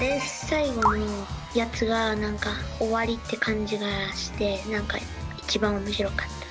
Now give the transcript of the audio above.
最後のやつが何か終わりって感じがして何か一番面白かった。